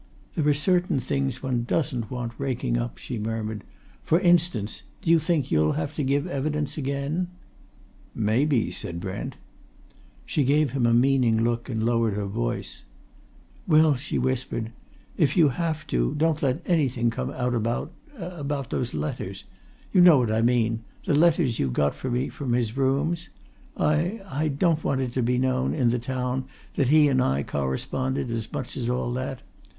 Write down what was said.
"There are certain things one doesn't want raking up," she murmured. "For instance do you think you'll have to give evidence again?" "Maybe," said Brent. She gave him a meaning look and lowered her voice. "Well," she whispered, "if you have to, don't let anything come out about about those letters. You know what I mean the letters you got for me from his rooms? I I don't want it to be known, in the town, that he and I corresponded as much as all that.